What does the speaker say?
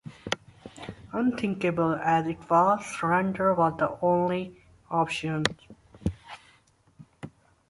Unthinkable as it was, surrender was the only option.